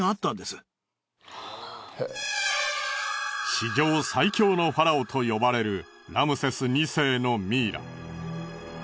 史上最強のファラオと呼ばれるラムセス２世のミイラ。